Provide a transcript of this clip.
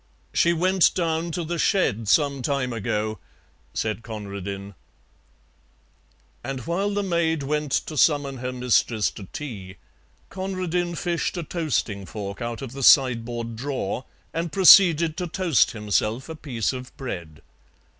"She went down to the shed some time ago," said Conradin. And while the maid went to summon her mistress to tea, Conradin fished a toasting fork out of the sideboard drawer and proceeded to toast himself a piece of bread.